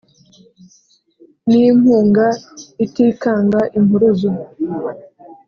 n’impunga itikanga impuruza